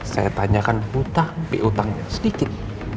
saya tanyakan utang utangnya sedikit